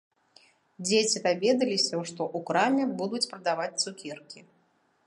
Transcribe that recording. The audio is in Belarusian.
Дзеці даведаліся, што ў краме будуць прадаваць цукеркі.